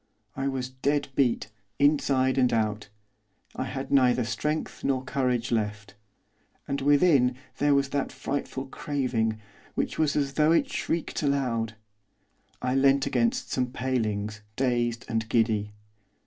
I was dead beat, inside and out. I had neither strength nor courage left. And within there was that frightful craving, which was as though it shrieked aloud. I leant against some palings, dazed and giddy.